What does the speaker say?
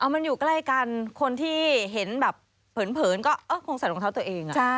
มันอยู่ใกล้กันคนที่เห็นแบบเผินก็คงใส่รองเท้าตัวเอง